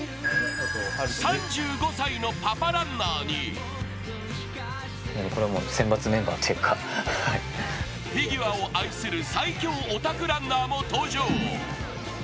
３５歳のパパランナーにフィギュアを愛する最強オタクランナーも登場。